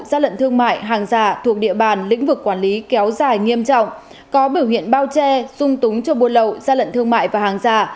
gia lận thương mại hàng giả thuộc địa bàn lĩnh vực quản lý kéo dài nghiêm trọng có biểu hiện bao che dung túng cho buôn lậu gia lận thương mại và hàng giả